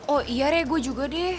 oh iya rek gue juga deh